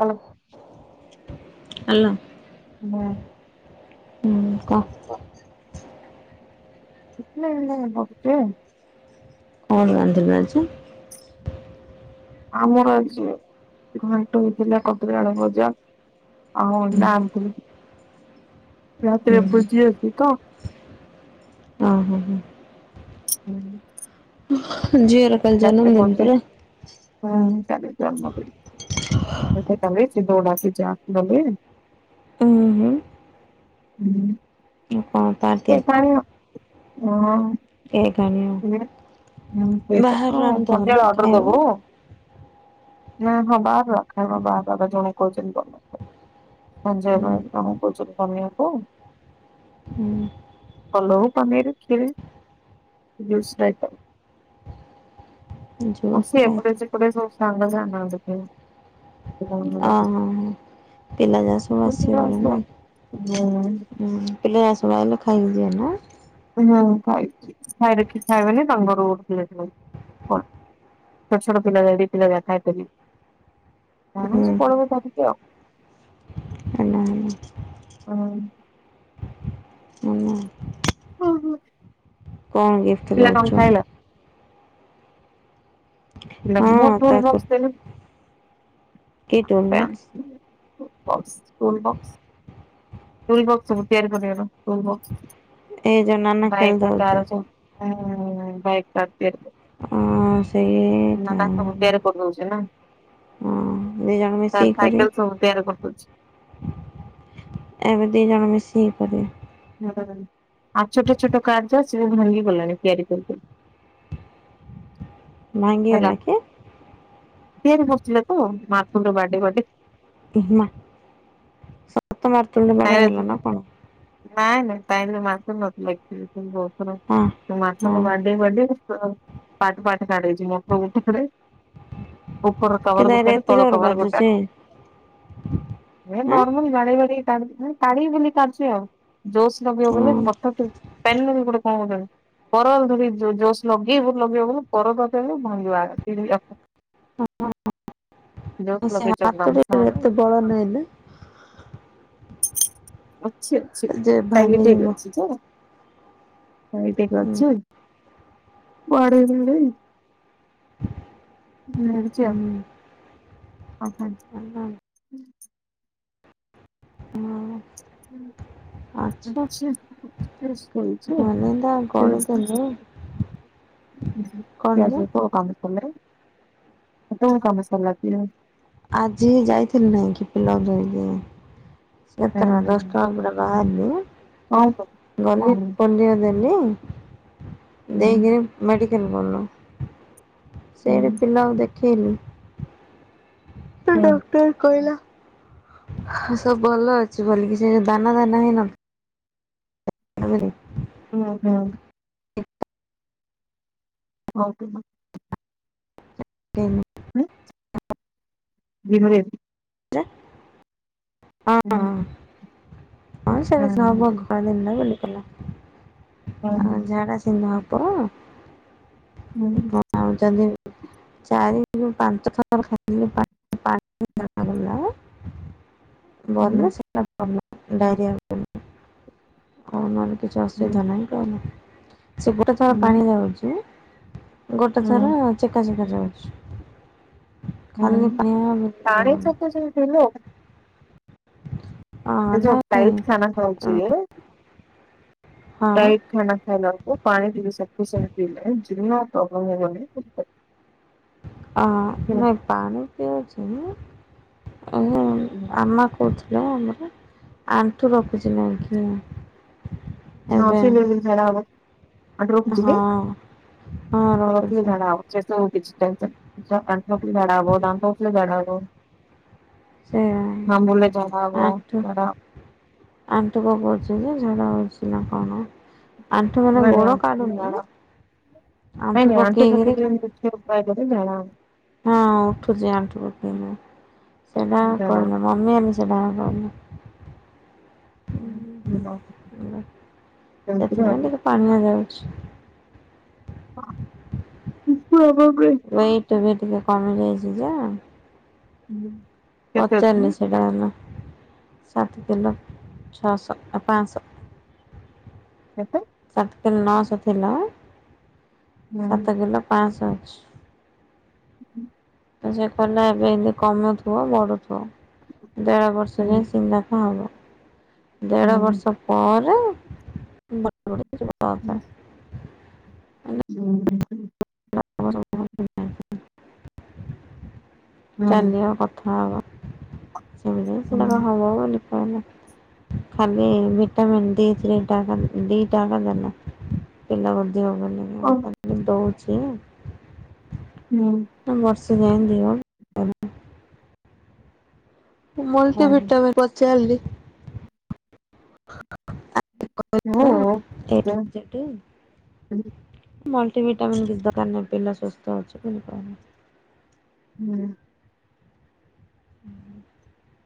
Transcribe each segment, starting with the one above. ହଁ ଆଲୋ ହୁଁ କହ। ଏତନ [unintelligible] କଣ ରାନ୍ଧିବେ ଆଜି ଆମର ଆଜି ଘାଣ୍ଟ ହୋଇଥିଲା କଦଳି ଆଳୁ ଭଜା ଆଉ ଅଣ୍ଡା ରାତିରେ ହୁଁ ଭୋଜି ଅଛି ତ ଉଁ ହୁଁ ହୁଁ। ଯାତ ହୁଁ କାଲି ଜନ୍ମଦିନ [unintelligible] ଉଁ ହୁଁ। [unintelligible] ଆଉ କଣ ପାର୍ଟି ହଁ ଏଇ କଣୀୟ ସେଇଟା ବାହାର ରନ୍ ସନ୍ଧ୍ୟାବେଳେ ଦେହନା ଅର୍ଡର ଦବୁ ଖାଇବା ନା ହଁ ବାର ରଖା ଆ ବାାର ବାା ଜଣ କଛନ୍ତି [unintelligible] ହୁଁ ପଞ୍ଜାବା କଣ କହୁଚି ପଢିବାକୁ ହୁଁ। [unintelligible] ହଁ ଜୁସ୍ ସେ ଏପଟେ ରାଇତା ସେପଟେ [unintelligible] ହଁ ହ ପିଲା ପ୍ରାୟେ ସମୟ ଖାଇବେନି ଆସି ପାରେ ନା ଉଁ ପିଲାସବୁ ଆଇଲେ ଖାଇ [unintelligible] ହୁଁ ଖାଇଛିି ଖାଇ ଦେଖି ଖାଇବେନି ତାଙ୍କର [unintelligible] କଣ ଛୋଟ ଛୋଟ ପିଲା ଯଦି ହୁଁ ହେଲା ହେଲା [unintelligible] ହଁ। ହେଲା ଓହୋ। କଣ ଗିଫ୍ଟ ଦଉଛୁ? ହଁ ମୋ ଟୁଲ ତାକୁ ବକ୍ସ ଦେଲୁ। କି ଟୁଲ ମୋ? Box tool box [unintelligible] tool box. ଏଇ ଯୋଉ ନାନା ବାଇକ୍ ଖେଳୁଥାଉଛି କାର ସବୁ [unintelligible] [unintelligible] ଅ ସବୁ ସେଇଟା ତିଆରି କରିଦଉଛି ନା। ହଁ ଦି ଜଣ ମିଶିକି ତାର କରିବେ ସାଇକେଲ ସବୁ ତିଆର କରିଦଉଛି। ଏବେ ଦିଜଣ ମିଶି ଇଏ କରିବେ। ଆଉ ଛୋଟ ଛୋଟ କାର୍ଯ୍ୟ ସିଏ ଭାଙ୍ଗି ଗଲାଣି ତିଆରି କରି କରି। ଭାଙ୍ଗି ହେଲା କି? ତିଆରି କରିଥିଲେ ତ ମାର୍କଣ୍ଡ ବାଡେଇ ବାଡେଇ। ମା ସ ନାଇଁ ନା [unintelligible] ହଁ ମାଛକୁ ହଁ ବାଡେଇ ବାଡେଇ ପାର୍ଟ ପାର୍ଟ ପାର୍ଟ ହେଇଚି [unintelligible] ଉପର କି ତଳର ତାରେ ଗୋଟାକେ ଏତେ ତଳ ଜୋର କଭର୍ ଗୋଟା ବାଜୁଛି ଆଁ [unintelligible] ବାଡେଇ ବାଡେଇ [unintelligible] ହଁ [unintelligible] ବୋଲି କଣ ଗୋଟାକେ। [unintelligible] ସେ ଆମ ହାତଟା ସାର୍ ଏତେ ବଡ ନହିଲେ। ଅଛି ଅଛି ଚାଲିଟେ ଭାଙ୍ଗିଯିବ ବି ଅଛି ଯେ। [unintelligible] ହୁଁ ଅଛି ବାଡେଇ ବାଡେଇ। [unintelligible] ହୁଁ ଓହୋ। ହଁ। ହୁଁ। ଆଚ୍ଛା [unintelligible] ଭଲତା କରିଦେଲେ କଣ ଯେ ପିଆଜକୁ କର୍ନ ଫୋଲରେ [unintelligible] ଆଜି ଯାଇଥିଲି ନେଇକି [unintelligible] ସେଥିରେ ଦଶଟାବେଳେ ବାହାରିଲି ପାଣି ସହିତ ଗଲି [unintelligible] ଦେଇକିରି ମେଡ଼ିକାଲ ଗଲୁ। ସେଇଠି ପିଲାକୁ ଦେଖେଇଲିି। ତ ଡକ୍ଟର କହିଲା ସବୁ ଭଲ ଅଛି ବୋଲିକି ସିଏ ଦାନା ଦାନା ହେଇ ନ [unintelligible] ହୁଁ ହୁଁ। [unintelligible] [unintelligible] [unintelligible] ହଁ। ହଁ ସେଟା ସବୁ ଖରାଦିନ ବୋଲିକିନା ଆଉ ଝାଡା ସେମତି ହ ତ ହଁ ଆଉଛନ୍ତି। [unintelligible] [inaudible] [unintelligible] କିଛି ଅସୁବିଧା ନାହିଁ କହିଲେ। ସେ ଗୋଟେ ଥର ପାଣି ଯାଉଛି ଗୋଟେ ଥର ଚେକା ଚେକା ଯାଉଛି ଖାଲି ପାଣି ଯେମିତି ହେଲେ [unintelligible] ଯୋଉ ଟାଇଟ୍ [unintelligible] ଖାନା ଖାଉଛି ହଁ [unintelligible] [unintelligible] ଅଁ ନାଇଁ ପାଣି ପିଉଛି। ଆ ଆମା କହୁଥିଲେ ଆମର, ଆଣ୍ଠୁ ରଖୁଛି ନାଇଁ କି ଏବେ [unintelligible] ହଁ ହଁ ରଖୁଛି [unintelligible] [unintelligible] ସେ ଆ [unintelligible] ଆମ୍ବୁଲିଲେ ଝାଡା ହବ ନା ଝାଡ଼ା ଝାଡା ଅଛିି ନା କଣ? ଆଣ୍ଠୁ ମାନେ ନାଇଁ ନାଇଁ ଗୋଡ ଆଣ୍ଠୁ ରଖିଲେ କାଢୁନି, ଝାଡା ନାଇଁ ଆଣ୍ଠୁ ନାଇଁ ପକେଇ କିରି ରଖିଲେ ମୁଖ୍ୟ [unintelligible] ହଁ ଉଠୁଛି ଆଣ୍ଠୁ ହବ [unintelligible] ସେଟା ଝାଡା କହିଲ ମମି ଆ ସେଟା କହୁନ। ହବ ସେମିତିରେ ସେଥିପାଇଁ ହବ ଟିକେ ପାଣିଆ ଯାଉଛି। [unintelligible] ଏଇଟ ବି ଟିକେ କମି ଯାଇଛି ଯେ ହୁଁ ପଚାରିନି ସେଇଟା। ସାତ କିଲୋ ଛଅଶ, ପାଞ୍ଚଶହ। କେତେ ସାତ କିଲ ନଅଶହ ଥିଲା ହୁଁ ସାତ କିଲୋ ପାଞ୍ଚଶହ ଅଛି। ହୁଁ [inaudible] ତ ସେ କହିଲା ଏବେ ଏମିତି କମୁଥିବ, ବଢ଼ୁ ଥିବ। ଦେର ବର୍ଷ ହୁଁ ଯାଇ ସିମ୍ ତା କଣ ହବ [unintelligible] ହୁଁ ଦେଢ ହୁଁ ବର୍ଷ ପରେ ହୁଁ ହୁଁ [unintelligible] [unintelligible] ହୁଁ ଚାଲିବା, କଥା ହବା। ସେମ ସେିକାା ହବ ବୋଲି କ ନା [unintelligible] ଖାଲି ଭିଟାମିନ୍ ଡି ଥ୍ରୀ ଟା ଡି ଟାକଦଲା ପିଲା [unintelligible] ଦଉଛି। ହଁ [inaudible] ସୁଜାଇନ ଦେଓ [unintelligible] ମଲ୍ଟିଭିିଟାମନ୍ ପଚାରିଲି, ଆ ଏ ଠୁ ଜେଡ ମଲ୍ଟିଭିଟାମିନ କିଛି ଦରକାର ନାହିଁ, ପିଲା ସୁସ୍ଥ ଅଛି। ହୁଁ। ହୁଁ [inaudible]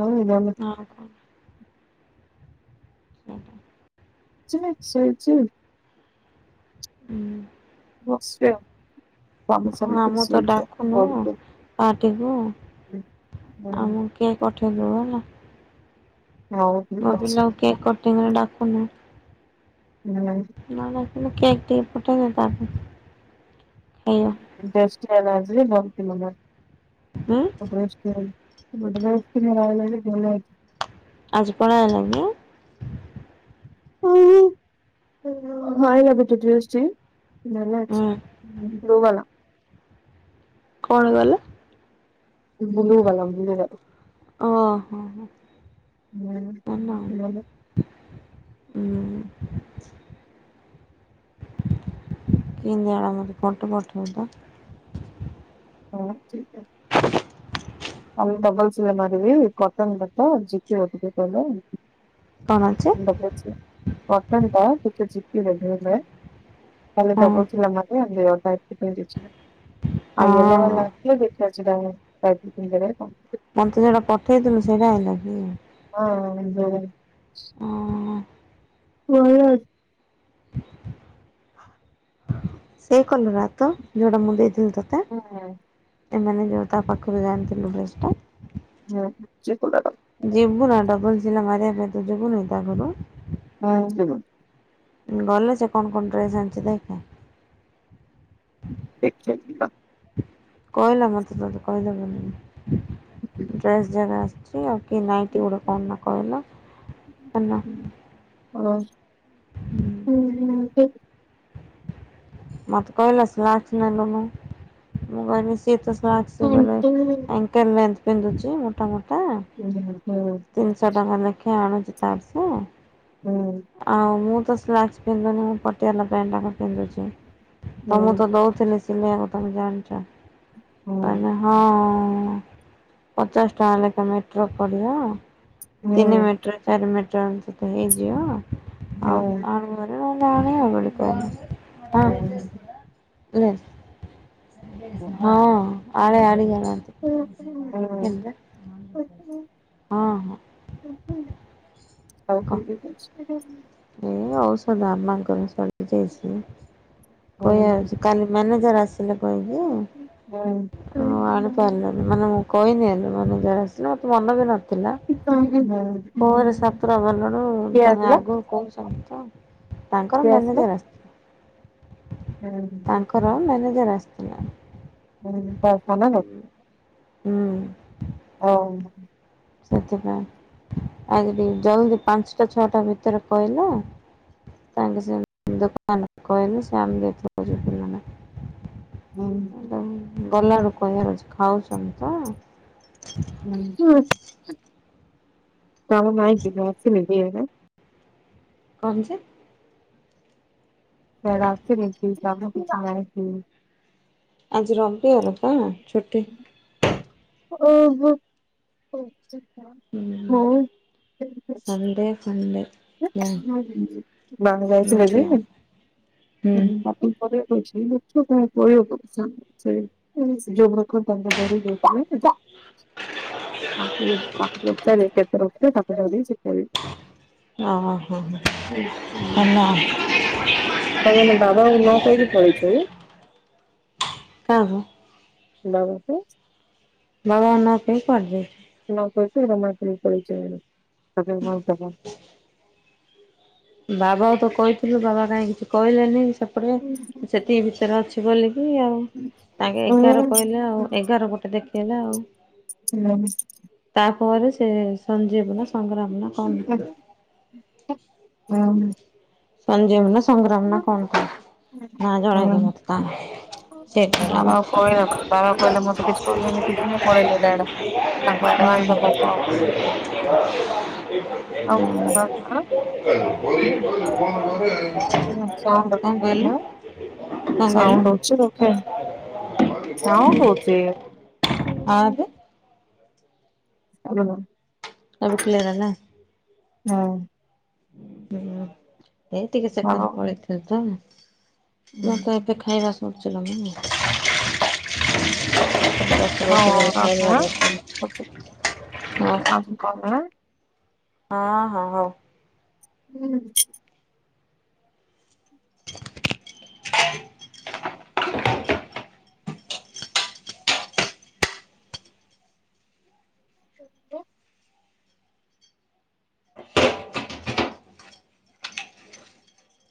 ହଁ ଭାନ [unintelligible] ହ [inaudible] ଚିନେ ସେ ସି ହୁଁ। ବସି [unintelligible] ହଁ ଆମକୁ ତ ଡାକୁନୁ। ଆ ଟିକୁ ଆଉ ମୋ କେକ୍ ପଠେଇଦବୁ ହେଲା। ହଉ ଠିକ୍ ଅଛି। କେହିବେଳେ ଡାକୁନ। ନାଇଁ ନାଇଁ ହେନେ କେକ୍ ଟିକେ ପଠେଇ ଦେ ତା ସାଙ୍ଗ ଦଶଟା ବାଜିଲେ ବନ୍ଦ କରିବ ଯାଅ। ଉଁ [unintelligible] ବଡେ ଗାର୍ଲ ଥୋଡିନା ବାହାରକୁ ଆଇବେ [unintelligible] ଆଜି ପଳେଇ ଆଇଲ କି? ଓହୋ [unintelligible] ହଁ ଏୟାକୁ ଛୁଟିରେ ଆସିଛି। ହୁଁ [unintelligible] ଗୋବାଲ କଣ ଗଲେ? ବୁଲୁ କଲମ ବୁଲୁ ଓହୋ ହୋ କଲମ। ହେଲା ନା [unintelligible] ହୁଁ। କିନ୍ ଜାଣା ମୋତେ ଫଟୋ ପଠେଇବୁ ତ। ହଁ ଠିକ୍ ଅ ଆଉ ଡବଲ୍ ସିଲେଇ ମାରିବି କଟନ୍ ତାଟ [unintelligible] କଣ ଅଛି [unintelligible] କଟନ୍ ଟା ଟିକେ ଚିପି [unintelligible] ତାହେଲେ ହଁ ଡବଲ୍ ସିଲେଇ ମାରିଲେ [unintelligible] ଆଉ ହଁ ୟୋଲ [unintelligible] ବେକାର ସେଟାକୁ କାଟି [unintelligible] ଦେବେ କଣ? ମୋତେ ଯେଟା ପଠେଇଥିଲୁ ସେଇଟା ଆଣିଲ କି? ହଁ ହଁ [unintelligible] ଅଁ, ହଁ। ବଢିଆ ହେଇଛି। ସେଇ କଲରା ତ ଯୋଉଡା ମୁଁ ଦେଇ କୋଉ [unintelligible] ଏମାନେ ଯୋଉ ତା ପାଖରୁ ଯେ ଆଣିଥିଲୁ ଡ୍ରେସ୍ ଟା। ନାହା ସେ କଲର୍ ଟା ଡବଲ୍ ସିଲେଇ ମାରିବା ପାଇଁ ତୁ ଯିବୁ ନାଇ ତା ଘରୁ? ହଁ ଯିବି। ଉଁ ଗଲେ ସେ କଣ କଣ ଡ୍ରେସ୍ ଆଣିଚି ଦେଖ। କହିଲା ମୋତେ ତତେ କହି ଦେ ବୋଲିକି। ଡ୍ରେସ୍ ଜାଗା ଆସିଚି ଆଉ। କି ନାଇଁଟି ଗୋଟେ କଣ ନା କହିଲା ହେଲା। ଓ, [unintelligible] ନାଇଟି ମୋତେ କହିଲା ସେ ଆସିନେ ନବୁ। ମୁଁ କହିଲି ସେ ସିଏ ତ ସ୍ଲାକ୍ସ ବଲେ ଏଙ୍କେଲ୍ ଲେନ୍ଥ ପିନ୍ଦୁଚି ମୁଟା ମୁଟା। [unintelligible] ତିନିଶହ ଟଙ୍କା ନେଖେ ଆଣୁଚି ତାର ସେ। ଆଉ ମୁଁ ତ ସ୍ଲାକ୍ସ ପିନ୍ଧୁନି ମୁଁ ପଟିଆଲା ପ୍ୟାଣ୍ଟ ଟାକ ପିନ୍ଧୁଚି। ତ ମୁଁ ତ ଦଉଥିଲି ସିଲେଇଆକୁ ତୋମେ ଜାଣିଚ? ତାନେ ହଁ ହଁ ପଚାଶ ଟଙ୍କା ଲେଖେ ମିଟର ପଡିବ। ତିନି ମିଟର ଚାରି ମି ଟର ସେ ତ ହେଇଯିବ। ଆଉ ଆଣିବୁ ହେରି ମୁଁ ଜାଣେ ହଁ କହିଲି ତ ହଁ, ଲେସ ହଁ ଆଡ଼େ ଗାଡି ଚଲାନ୍ତି। [unintelligible] [unintelligible] ଆଉ କ [unintelligible] ଏ ଔଷଧ ଆମମାନଙ୍କର ସରିଯାଇଛି କହିବା କୁ କାଲି ମାନେ ତମେ କିଏ ଆସିଲା କହିଦିଅ ଅ ଆଣିପାରିଲି ମାନେ ମୁଁ କହିଲି। [unintelligible] ମତେ ମନ ବି ନଥିଲା କିଏ ପରେ ସତୁଆ ବେଲୁରୁ ତମେ ଆଗ ତାଙ୍କର ଆସିଲା? ମ୍ୟାନେଜର ଆସିଥିଲେ। ତାଙ୍କର ମ୍ୟାନେଜର ଆସିଥିଲା। ହୁଁ ପୋନା ଯୋଗୁଁ ହୁଁ [inaudible] ଓହୋ। ସେଥିପାଇଁ ଆ ଟିକେ ଜଲଦି ପାଞ୍ଚଟା ଛଅଟା ଭିତରେ କହିଲା ତାଙ୍କ ସେ କହିଲେ ସେ ଆଣିଦେଇଥିଲେ। [unintelligible] ଗଲାରୁ କହିବାର ଅଛି ଖାଉଛନ୍ତି ତ? [inaudible] [inaudible] କାମ ନାଇଁ କିରେ ଆସିଲୁ ଏଇଆଡ଼େ? କଣ ସେ ସେ ରାତି ରେ କାମକିଛି ନାହିଁ କି? ଆଜି ରବିବାର ପା ଛୁଟି। ଓହୋ। ହୁଁ [inaudible] ସଣ୍ଡେ ଫଣ୍ଡେ [unintelligible] ନାଇଁ ତେ ଦଉଛି। ସେମିତି [unintelligible] ଆଉ ହୁଁ ଆଙ୍କୁ ଆକୁ ପ କେତେ ରକ୍ତ ତାକୁ ଏକା ଦେଇଚି ସେ କହିବେ ଓହୋ ହଁ [inaudible] ହେଲା। ତମ ବାବା କୁ ନ କହିକି ପଳେଇଚ ଏଇୟା କହାକୁ? [inaudible] ଉଁ ବାବା ଙ୍କ ନା କି କଡ଼ି ଦେ [unintelligible] ବାବା ତ କହିଥିଲୁ ବାବା କାହିଁ କିଛି କହିଲେନି ସେପଟେ ସେତିକି ଭିତରେ ଅଛି ବୋଲି ହ ଆଉ ତାଙ୍କେ ଏଗାର କହିଲେ ଆଉ ଏଗାର ଗୋଟେ ଦେଖେଇଲା ଆଉ ହୁଁ। ତାପରେ ସେ ସଞ୍ଜୀବ ନା ସଂଗ୍ରାମ ନା କଣ ସନ ଦେବ ସଂଗ୍ରାମ ନା କଣ ନା ଜନେଇକି ମତେ କ ବାବା କହିଲ ମ ବାବା କହିଲେ ମତେ କିଛି କହିିଲେ କିଛି ନାଇଁ ପଳେଇଲେ। ଆଡଭାନ୍ସ ଦବାକୁ ଆଉ [inaudible] ସାଉଣ୍ଡ [inaudible] କଣ ହଁ କହିଲେ? ସାଉଣ୍ଡ ହୋଉଛି ରଖେ। କଣ କହୁଚି? ଏବେ [inaudible] [unintelligible] ଆମେ ଥିଲା ଏଇନା ନା ହୁଁ। ହେଇ ଏଇ ଟିକେ ସେ ପାଇଁ ହଁ। ପଳେଇଥିଲେ ତ ମତେ ଏତେ ଖାଇଚା ଶୁଣି ଚିଲ [unintelligible] ଓହୋ। ହଁ ହଁ ହୋଉ। ହୁଁ। [inaudible] [inaudible]